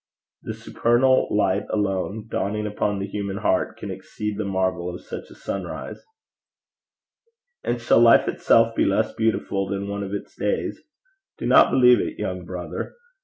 The supernal light alone, dawning upon the human heart, can exceed the marvel of such a sunrise. And shall life itself be less beautiful than one of its days? Do not believe it, young brother.